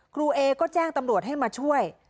เอก็แจ้งตำรวจให้มาช่วย